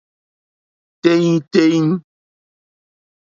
Téɲítéɲí.